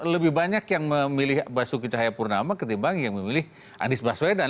lebih banyak yang memilih basuki cahayapurnama ketimbang yang memilih anies baswedan